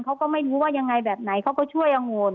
เขาก็ไม่รู้ว่ายังไงแบบไหนเขาก็ช่วยอโง่น